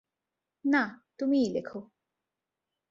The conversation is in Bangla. না, তুমিই লেখো।